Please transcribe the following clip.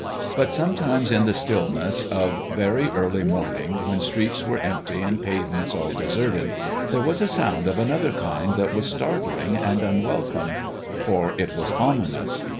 But sometimes in the stillness of very early morning, when streets were empty and pavements all deserted, there was a sound of another kind that was startling and unwelcome. For it was ominous.